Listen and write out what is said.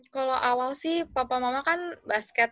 kalau awal sih papa mama kan basket